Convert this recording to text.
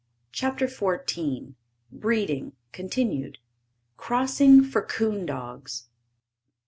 ] CHAPTER XIV BREEDING (Continued). Crossing for Coon Dogs.